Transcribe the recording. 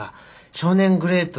少年グレート。